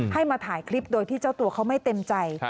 ให้มาถ่ายคลิปโดยที่เจ้าตัวเขาไม่เต็มใจ